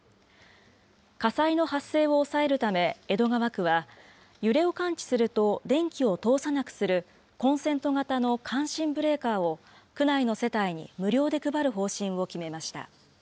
火災の発生を抑えるため江戸川区は、揺れを感知すると電気を通さなくするコンセント型の感震ブレーカーを、区内の世帯に無料で配る方針を決めました。